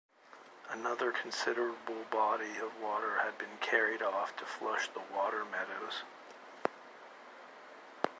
Another considerable body of water had been carried off to flush the water meadows.